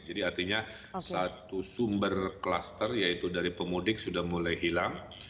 jadi artinya satu sumber kluster yaitu dari pemudik sudah mulai hilang